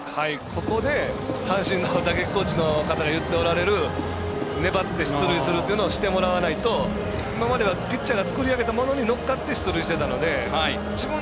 ここで阪神の打撃コーチの方が言っておられる粘って出塁するというのをしてもらわないと、今まではピッチャーが作り上げてきたものにのっかっていたので。